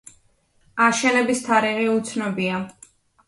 აშენების თარიღი უცნობია.